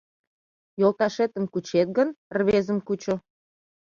Йолташетым кучет гын, рвезым кучо: